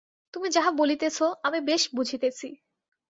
তুমি যাহা বলিতেছ আমি বেশ বুঝিতেছি।